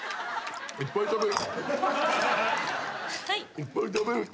いっぱい食べる人。